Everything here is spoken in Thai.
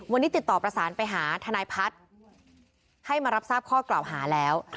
วันนี้ติดต่อประสานไปหาทนายพัฒน์ให้มารับทราบข้อกล่าวหาแล้ว